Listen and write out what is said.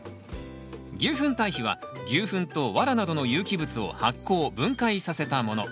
牛ふん堆肥は牛ふんとワラなどの有機物を発酵分解させたもの。